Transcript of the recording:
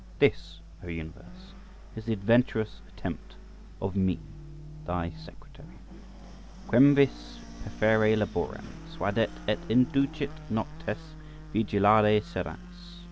This, O universe! is the adventurous attempt of me, thy secretary— "Quemvis perferre laborem Suadet, et inducit noctes vigilare serenas."